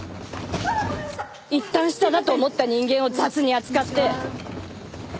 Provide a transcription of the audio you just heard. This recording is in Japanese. いったん下だと思った人間を雑に扱って！